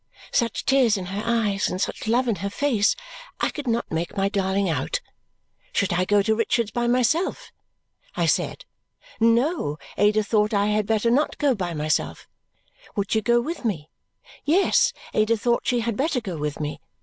Such tears in her eyes, and such love in her face. I could not make my darling out. Should I go to Richard's by myself? I said. No, Ada thought I had better not go by myself. Would she go with me? Yes, Ada thought she had better go with me.